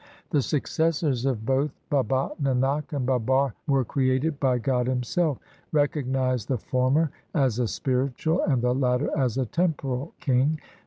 The successors of both Baba Nanak and Babar Were created by God Himself. Recognize the former as a spiritual, And the latter as a temporal king.